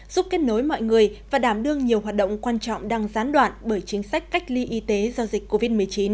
giúp kết nối mọi người và đảm đương nhiều hoạt động quan trọng đang gián đoạn bởi chính sách cách ly y tế do dịch covid một mươi chín